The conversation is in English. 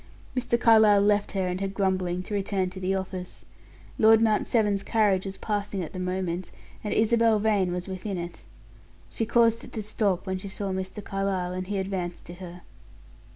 Mr. Carlyle left her and her grumbling to return to the office. Lord Mount Severn's carriage was passing at the moment, and Isabel Vane was within it. She caused it to stop when she saw Mr. Carlyle, and he advanced to her.